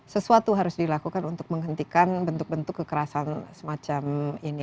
sesuatu harus dilakukan untuk menghentikan bentuk bentuk kekerasan semacam ini